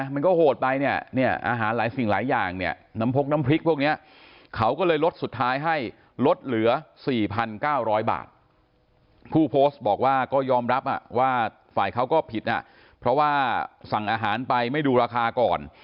มันก็โหดไปอาหารอาหารสิ่งหลายอย่าง